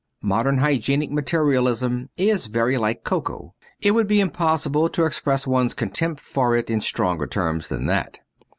Modern hygienic materialism is very like cocoa ; it would be impossible to express one's contempt for it in stronger terms than that.